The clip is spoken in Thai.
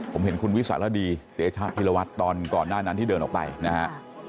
ผมเห็นคุณวิสารดีเตชะธิรวัตรตอนก่อนหน้านั้นที่เดินออกไปนะฮะ